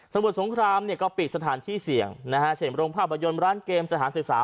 มุดสงครามเนี่ยก็ปิดสถานที่เสี่ยงนะฮะเช่นโรงภาพยนตร์ร้านเกมสถานศึกษา